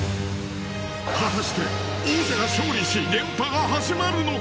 果たして王者が勝利し連覇が始まるのか？